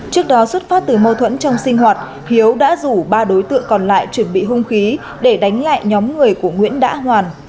trước đó xuất phát từ mâu thuẫn trong sinh hoạt hiếu đã rủ ba đối tượng còn lại chuẩn bị hung khí để đánh lại nhóm người của nguyễn đã hoàn